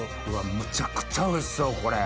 むちゃくちゃおいしそうこれ。